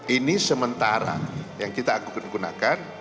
ini sementara yang kita gunakan